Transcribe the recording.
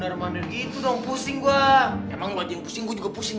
hai nah bener bener gitu dong pusing gua emang wajib pusing juga pusing